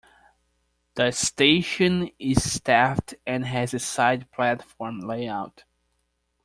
The station is staffed and has a side platform layout.